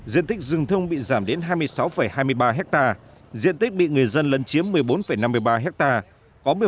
diện tích rừng thông bị giảm đến hai mươi sáu hai mươi ba hectare diện tích bị người dân lấn chiếm một mươi bốn năm mươi ba hectare